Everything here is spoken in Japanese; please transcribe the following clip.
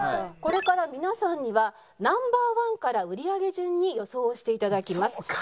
これから皆さんにはＮｏ．１から売り上げ順に予想をして頂きます。